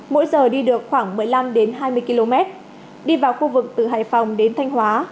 mỗi giờ đi được khoảng một mươi năm hai mươi km đi vào khu vực từ hải phòng đến thanh hóa